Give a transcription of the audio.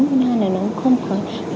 thứ hai là nó không có